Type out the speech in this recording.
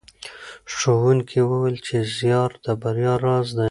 ښوونکي وویل چې زیار د بریا راز دی.